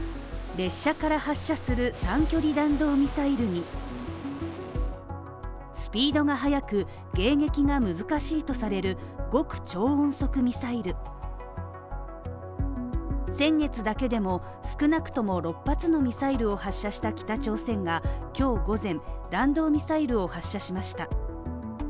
列車から発射する短距離弾道ミサイルにスピードが速く、迎撃が難しいとされる極超音速ミサイル先月だけでも、少なくとも６発のミサイルを発射した北朝鮮が今日午前、弾道ミサイルを発射しました。